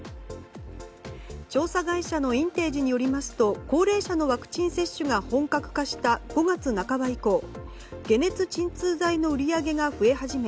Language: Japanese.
調査会社のインテージによりますと高齢者のワクチン接種が本格化した５月半ば以降解熱鎮痛剤の売り上げが増え始め